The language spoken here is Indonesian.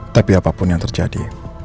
tapi apapun yang terjadi